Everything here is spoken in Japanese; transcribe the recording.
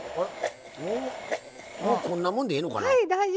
もうこんなもんでええのかな？